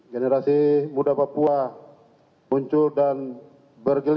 generasi muda papua muncul dengan kekuatan